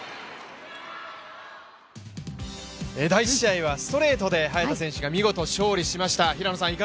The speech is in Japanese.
第１試合はストレートで早田選手が見事勝利しました。